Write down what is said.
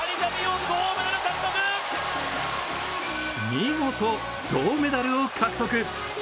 見事、銅メダルを獲得。